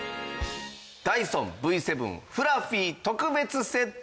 ダイソンＶ７フラフィ特別セット。